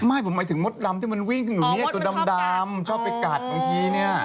ไม่ผมหมายถึงมดดำที่มันวิ่งถนนนี้ตัวดำชอบไปกัดบางทีเนี่ย